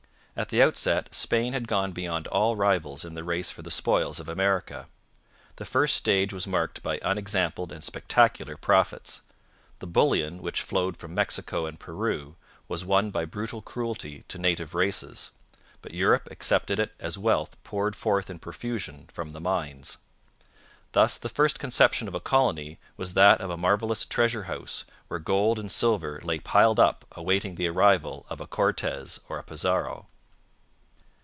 At the outset Spain had gone beyond all rivals in the race for the spoils of America. The first stage was marked by unexampled and spectacular profits. The bullion which flowed from Mexico and Peru was won by brutal cruelty to native races, but Europe accepted it as wealth poured forth in profusion from the mines. Thus the first conception of a colony was that of a marvellous treasure house where gold and silver lay piled up awaiting the arrival of a Cortez or a Pizarro.